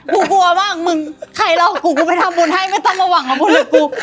กลัวมากมึงใครหรอกกูกูไปทำบุญให้ไม่ต้องมาหวังกับพวกกู